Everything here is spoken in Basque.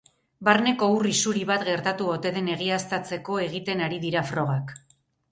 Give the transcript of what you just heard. Barneko ur isuri bat gertatu ote den egiaztatzeko egiten ari dira frogak.